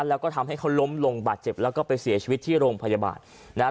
แล้วก็ทำให้เขาล้มลงบาดเจ็บแล้วก็ไปเสียชีวิตที่โรงพยาบาลนะฮะ